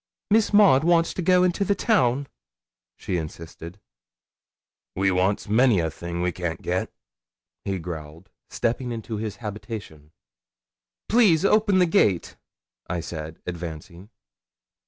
'Miss Maud wants to go into the town,' she insisted. 'We wants many a thing we can't get,' he growled, stepping into his habitation. 'Please open the gate,' I said, advancing.